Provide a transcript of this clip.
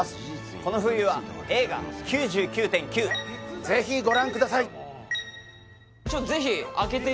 この冬は映画「９９．９」ぜひご覧くださいマジ？